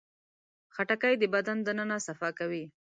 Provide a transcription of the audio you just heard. خټکی د بدن دننه صفا کوي.